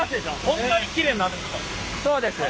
こんなにきれいになるんですか？